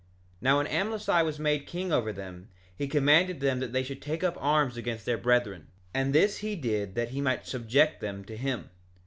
2:10 Now when Amlici was made king over them he commanded them that they should take up arms against their brethren; and this he did that he might subject them to him.